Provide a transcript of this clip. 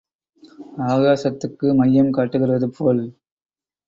ஆகாசத்தக்கு மையம் காட்டுகிறது போல்.